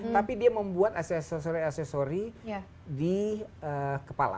tapi dia membuat aksesori aksesori di kepala